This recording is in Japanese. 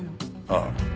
ああ。